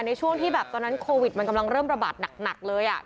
ในช่วงที่แบบตอนนั้นโควิดมันกำลังเริ่มระบาดหนักเลยอ่ะ